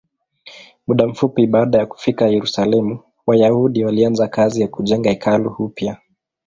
Muda mfupi baada ya kufika Yerusalemu, Wayahudi walianza kazi ya kujenga hekalu upya.